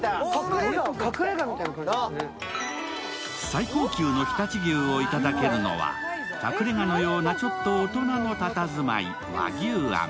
最高級の常陸牛を頂けるのは、隠れ家のようなちょっと大人のたたずまい、和牛庵。